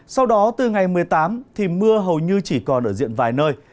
sau đó từ ngày một mươi tám thì mưa hầu như chỉ còn ở diện vài nơi